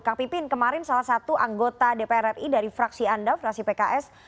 kang pipin kemarin salah satu anggota dpr ri dari fraksi anda fraksi pks